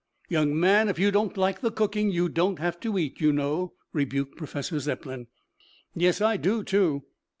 "Young man, if you don't like the cooking, you don't have to eat, you know," rebuked Professor Zepplin. "Yes, I do, too.